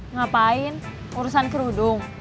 ngapain urusan kerudung